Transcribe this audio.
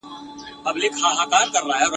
پر خوبونو یې جگړې دي د خوارانو !.